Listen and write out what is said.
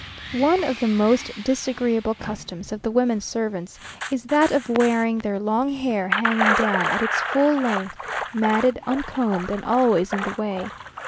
One of the most disagreeable customs of the women servants, is that of wearing their long hair hanging down at its full length, matted, uncombed, and always in the way.